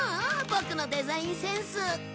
ボクのデザインセンス。